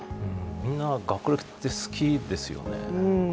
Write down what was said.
みんな学歴って好きですよね。